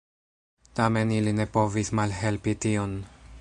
Tamen ili ne povis malhelpi tion.